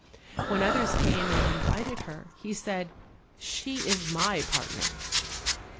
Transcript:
When others came and invited her, he said, "She is my partner."